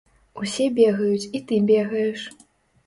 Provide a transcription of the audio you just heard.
Усе бегаюць і ты бегаеш.